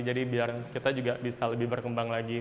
jadi biar kita juga bisa lebih berkembang lagi